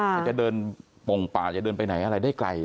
ถ้าจะเดินปงป่าจะเดินไปไหนอะไรได้ไกล